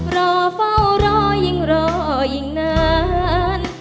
รอเฝ้ารอยิ่งรอยิ่งนาน